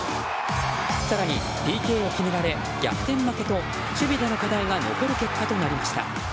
更に、ＰＫを決められ逆転負けと守備での課題が残る結果となりました。